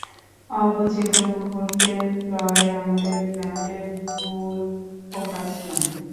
অবচেতন মুহূর্তের লড়াই আমাদের ব্র্যান্ডের মূল ফোকাস নয়।